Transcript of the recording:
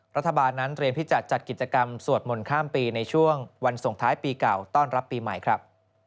รัฐบาลนั้นเตรียมที่จะจัดกิจกรรมสวดมนต์ข้ามปีในช่วงวันส่งท้ายปีเก่าต้อนรับปีใหม่ครับ